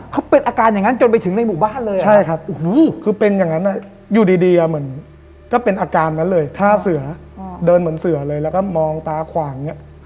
ก็เป็นอาการนั้นเลยท่าเสือเดินเหมือนเสือเลยแล้วก็มองตาขวาง